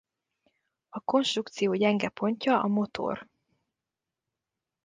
A konstrukció gyenge pontja a motor.